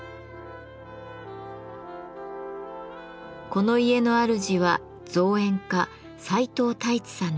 この家のあるじは造園家齊藤太一さんです。